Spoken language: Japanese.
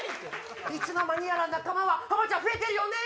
いつの間にやら仲間は浜ちゃん増えてるよね。